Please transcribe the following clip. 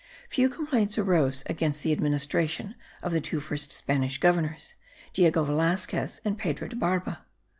Few complaints arose against the administration of the two first Spanish governors, Diego Velasquez and Pedro de Barba.